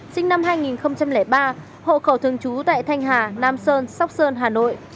sinh năm hai nghìn ba hộ khẩu thường trú tại thanh hà nam sơn sóc sơn hà nội